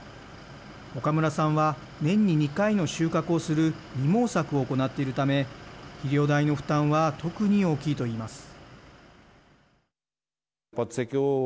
岡村さんは年に２回の収穫をする二毛作を行っているため肥料代の負担は特に大きいといいます。